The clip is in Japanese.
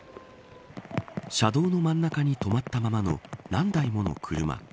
車道の真ん中に止まったままの何台もの車。